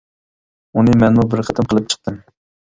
ئۇنى مەنمۇ بىر قېتىم قىلىپ چىقتىم.